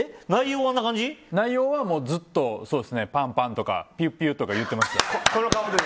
内容はずっとパンパンとかピュピュとか言ってました。